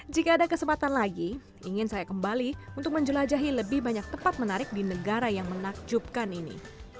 jika ada kesempatan lagi ingin saya kembali untuk menjelajahi lebih banyak tempat menarik di negara yang menakjubkan ini